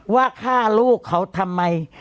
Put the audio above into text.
ว่าฆ่าลูกเขาทำไม